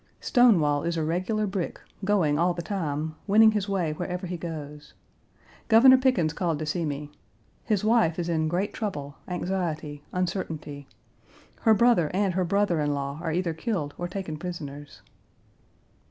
Stonewall is a regular brick, going all the time, winning his way wherever he goes. Governor Pickens called to see me. His wife is in great trouble, anxiety, uncertainty. Her brother and her brother in law are either killed or taken prisoners.